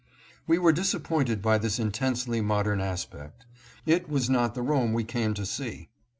We were disappointed by this intensely modern aspect. It was not the Rome we came to see.